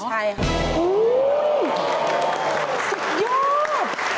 ใช่ค่ะ